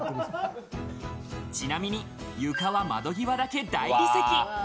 ちなみに床は窓際だけ大理石。